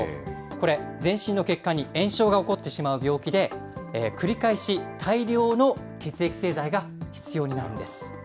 これ、全身の血管に炎症が起こってしまう病気で、繰り返し大量の血液製剤が必要になるんです。